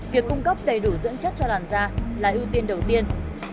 việc cung cấp đầy đủ dưỡng chất cho làn da là ưu tiên đầu tiên